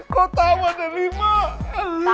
kau tahu ada lima